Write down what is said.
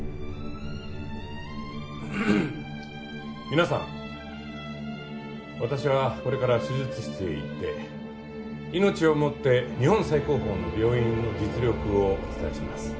皆さん私はこれから手術室へ行って命をもって日本最高峰の病院の実力をお伝えします。